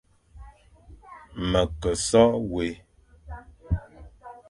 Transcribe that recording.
Me ke so wé,